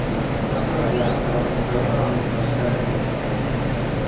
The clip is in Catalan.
Va Treballar per al Museu de la Universitat de Tòquio.